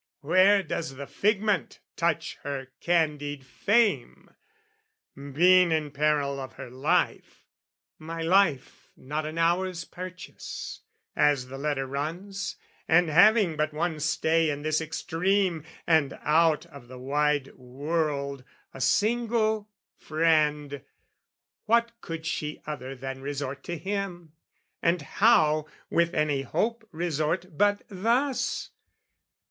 Where does the figment touch her candid fame? Being in peril of her life "my life, "Not an hour's purchase," as the letter runs, And having but one stay in this extreme, And out of the wide world a single friend What could she other than resort to him, And how with any hope resort but thus?